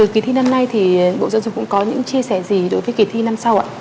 kỳ thi năm nay thì bộ giáo dục cũng có những chia sẻ gì đối với kỳ thi năm sau ạ